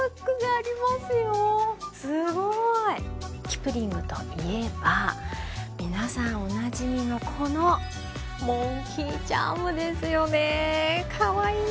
キプリングといえば皆さんおなじみのこのモンキーチャームですよね。